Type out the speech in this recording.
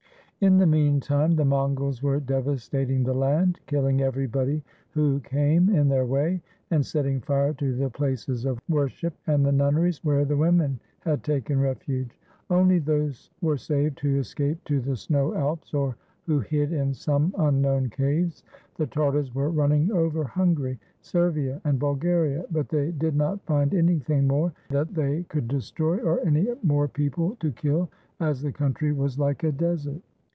In the mean time the Mongols were devastating the land, killing everybody who came in their way and set ting fire to the places of worship and the nunneries where the women had taken refuge. Only those were saved who escaped to the Snow Alps, or who hid in some un known caves. The Tartars were running over Hungary, Servia, and Bulgaria, but they did not find anything more that they could destroy, or any more people to kill, as the country was like a desert.